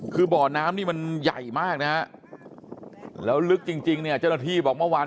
คือบ่อน้ำนี่มันใหญ่มากนะฮะแล้วลึกจริงเนี่ยเจ้าหน้าที่บอกเมื่อวาน